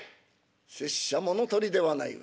拙者物とりではないわ。